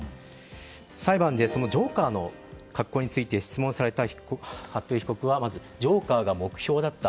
裁判でジョーカーの格好について質問された服部被告はまずジョーカーが目標だった。